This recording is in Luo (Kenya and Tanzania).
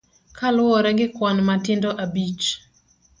Kaluwore gi kwan matindo abich.